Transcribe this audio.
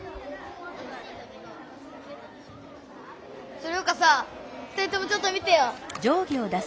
それよかさ２人ともちょっと見てよ。